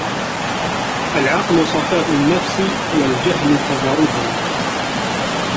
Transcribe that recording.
العقل صفاء النفس والجهل كدرها